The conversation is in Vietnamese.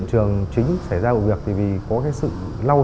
trong nhà này có hai cái xe máy